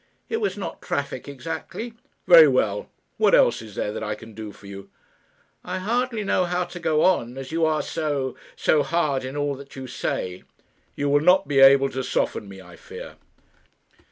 "It was not traffic exactly." "Very well. What else is there that I can do for you?" "I hardly know how to go on, as you are so so hard in all that you say." "You will not be able to soften me, I fear."